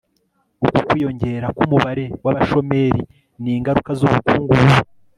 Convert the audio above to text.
Uku kwiyongera kumubare wabashomeri ni ingaruka zubukungu bubi